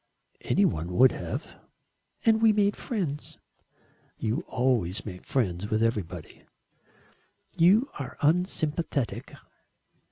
"Any one would have." "And we made friends." "You always make friends with everybody." "You are unsympathetic."